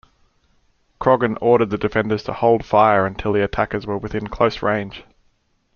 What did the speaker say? Croghan ordered the defenders to hold fire until the attackers were within close range.